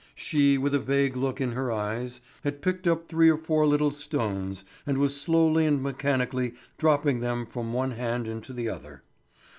She, with a vague look in her eyes, had picked up three or four little stones and was slowly and mechanically dropping them from one hand into the other.